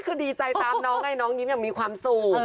คือดีใจตามน้องไงน้องยิ้มอย่างมีความสุข